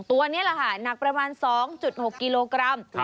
ตัวนี้แหละค่ะหนักประมาณ๒๖กิโลกรัม